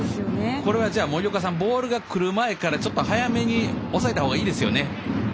これはじゃあ、森岡さんボールがくる前から、ちょっと早めに押さえたほうがいいですね。